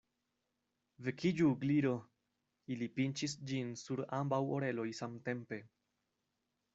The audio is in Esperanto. "Vekiĝu, Gliro!" Ili pinĉis ĝin sur ambaŭ oreloj samtempe.